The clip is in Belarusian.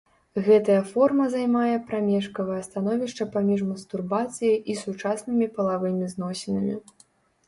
Гэтая форма займае прамежкавае становішча паміж мастурбацыяй і сучаснымі палавымі зносінамі.